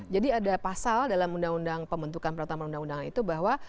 jadi ada pasal dalam undang undang pembentukan peraturan perundang undang itu bahwa